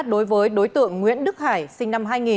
đối với đối tượng nguyễn đức hải sinh năm hai nghìn